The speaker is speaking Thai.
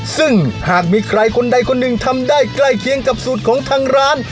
ซึ่งหากมีใครคนใดคนหนึ่งทำได้ใกล้เคียงกับสูตรของทางร้าน